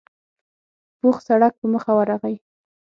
پوخ سړک په مخه ورغی.